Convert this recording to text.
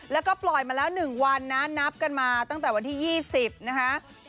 แล้วก็ปล่อยมาแล้ว๑วันนะนับกันมาตั้งแต่วันที่๒๐นะคะ